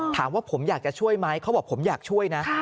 ถามว่าผมอยากจะช่วยไหมเขาบอกผมอยากช่วยนะ